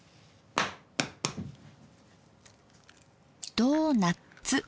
ドーナッツ